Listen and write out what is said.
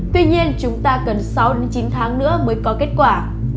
tuy nhiên chúng ta cần sáu đến chín tháng nữa mới có kết quả